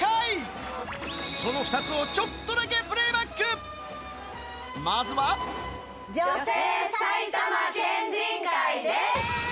その２つをちょっとだけプレーバックまずは女性埼玉県人会です！